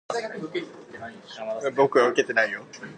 The Rebel jersey is inspired by First Avenue.